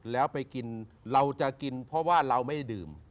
แล้วไปกินเราจะกินเพราะว่าเราไม่ได้ดื่ม